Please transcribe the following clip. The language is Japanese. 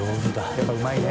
やっぱうまいね。